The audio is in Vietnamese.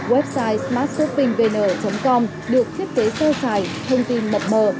website smartshoppingvn com được thiết kế sơ sài thông tin mập mờ